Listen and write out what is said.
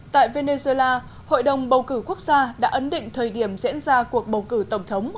tại venezuela hội đồng bầu cử quốc gia đã ấn định thời điểm diễn ra cuộc bầu cử tổng thống